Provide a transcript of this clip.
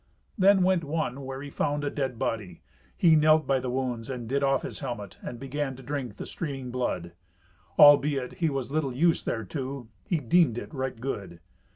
Then went one where he found a dead body. He knelt by the wounds, and did off his helmet, and began to drink the streaming blood. Albeit he was little used thereto, he deemed it right good.